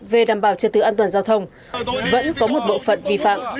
về đảm bảo trật tự an toàn giao thông vẫn có một bộ phận vi phạm